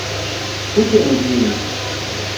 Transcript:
Kuche mzinyi .